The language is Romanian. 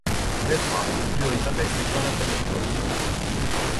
De fapt, prioritatea este clară pentru toți.